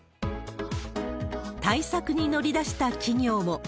対策に乗り出した企業も。